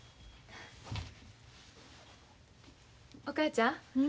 お母ちゃん。